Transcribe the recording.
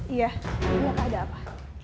iya iya kak ada apa